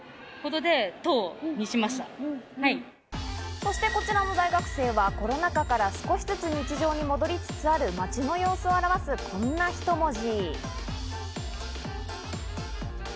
そしてこちらの大学生は、コロナ禍から少しずつ日常に戻りつつある街の様子を表す、こんな一文字。